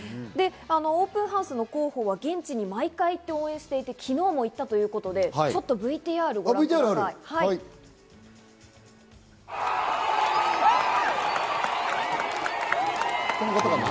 オープンハウスの広報は現地に毎回行って応援していて、昨日も行ったということでちょっとＶＴＲをご覧ください。